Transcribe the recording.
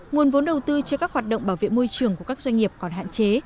nguồn vốn đầu tư cho các hoạt động bảo vệ môi trường của các doanh nghiệp còn hạn chế